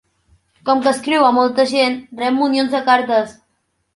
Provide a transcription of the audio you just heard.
Com que escriu a molta gent rep munions de cartes.